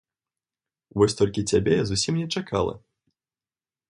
Вось толькі цябе я зусім не чакала.